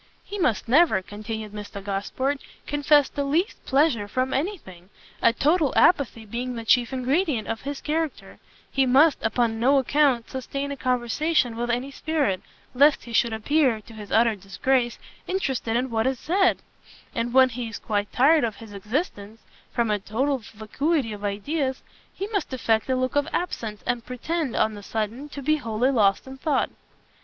"He must never," continued Mr Gosport, "confess the least pleasure from any thing, a total apathy being the chief ingredient of his character: he must, upon no account, sustain a conversation with any spirit, lest he should appear, to his utter disgrace, interested in what is said: and when he is quite tired of his existence, from a total vacuity of ideas, he must affect a look of absence, and pretend, on the sudden, to be wholly lost in thought."